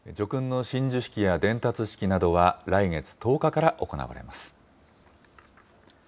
叙勲の親授式や伝達式などは、来月１０日から行われます。